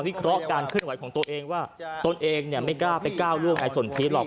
เคราะห์การเคลื่อนไหวของตัวเองว่าตนเองไม่กล้าไปก้าวเรื่องในสนทิชหรอก